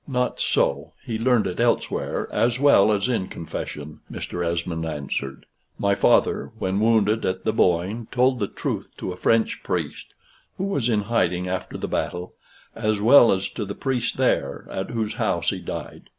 "Not so. He learned it elsewhere as well as in confession," Mr. Esmond answered. "My father, when wounded at the Boyne, told the truth to a French priest, who was in hiding after the battle, as well as to the priest there, at whose house he died.